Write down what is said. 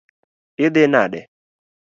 Idhi nade?